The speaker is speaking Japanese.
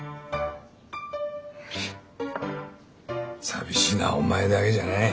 寂しいのはお前だけじゃない。